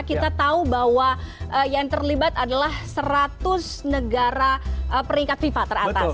kita tahu bahwa yang terlibat adalah seratus negara peringkat fifa teratas